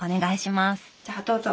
じゃあどうぞ。